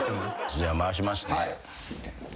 じゃあ回しますね。